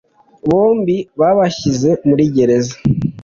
bombi babashyize muri gereza